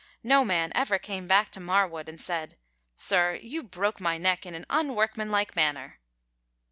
No man ever came back to Marwood and said, "Sir, you broke my neck in an unworkmanlike manner."